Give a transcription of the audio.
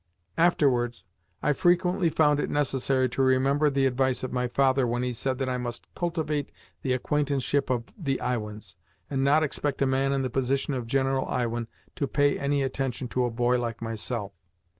Afterwards, I frequently found it necessary to remember the advice of my father when he said that I must cultivate the acquaintanceship of the Iwins, and not expect a man in the position of General Iwin to pay any attention to a boy like myself.